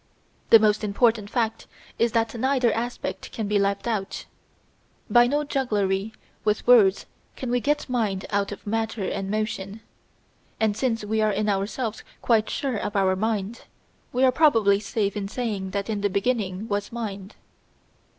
The most important fact is that neither aspect can be left out. By no jugglery with words can we get Mind out of Matter and Motion. And since we are in ourselves quite sure of our Mind, we are probably safe in saying that in the beginning was Mind.